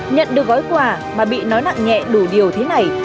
nhận được gói quà mà bị nói nặng nhẹ đủ điều thế này